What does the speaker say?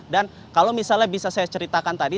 dan kalau misalnya bisa saya ceritakan tadi